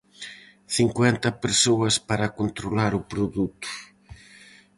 Cincuenta persoas para controlar o produto.